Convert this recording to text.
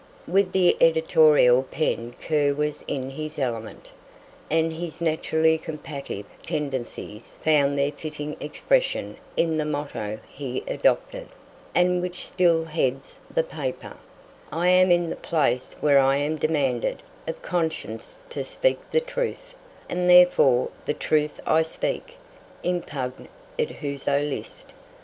With the editorial pen Kerr was in his element, and his naturally combative tendencies found their fitting expression in the motto he adopted, and which still heads the paper, "I am in the place where I am demanded of conscience to speak the truth, and therefore the truth I speak, impugn it whoso list."